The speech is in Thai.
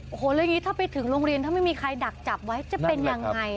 โอ้โหแล้วอย่างนี้ถ้าไปถึงโรงเรียนถ้าไม่มีใครดักจับไว้จะเป็นยังไง